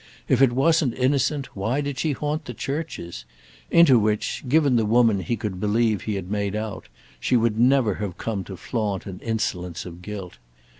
If it wasn't innocent why did she haunt the churches?—into which, given the woman he could believe he made out, she would never have come to flaunt an insolence of guilt.